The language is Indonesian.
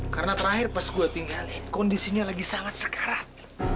karena terakhir pas aku tinggalin kondisinya lagi sangat sekarat